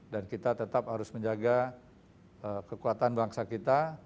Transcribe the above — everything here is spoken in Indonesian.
dan kita tetap harus menjaga kekuatan bangsa kita